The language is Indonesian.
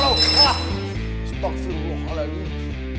wah stok siung allah alaikum